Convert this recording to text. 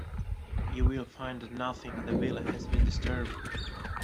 You will find that nothing at the villa has been disturbed.